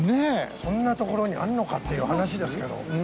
そんな所にあるのかっていう話ですけど。